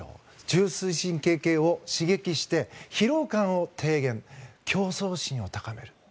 中枢神経系を刺激して疲労感を低減競争心を高める。